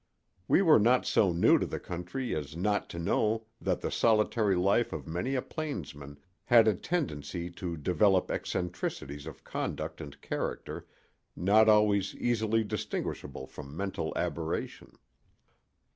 We were not so new to the country as not to know that the solitary life of many a plainsman had a tendency to develop eccentricities of conduct and character not always easily distinguishable from mental aberration.